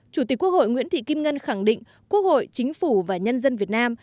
chủ tịch quốc hội nguyễn thị kim ngân khẳng định quốc hội chính phủ và nhân dân việt nam